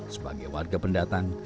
sebagai warga pendatang